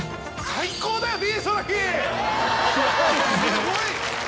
すごい！